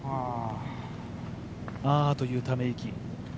ああというため息。